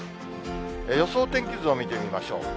予想天気図を見てみましょう。